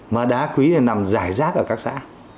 mà đá quý này nằm rải rác ở các xã